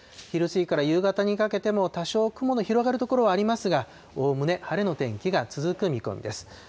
昼過ぎから夕方にかけても多少、雲の広がる所はありますが、おおむね晴れの天気が続く見込みです。